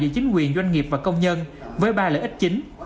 chính quyền doanh nghiệp và công nhân với ba lợi ích chính